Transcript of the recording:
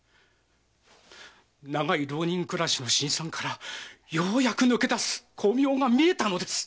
長い浪人暮らしの辛酸からやっと抜け出す光明が見えたのです。